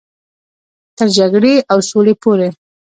تر جګړې او سولې پورې.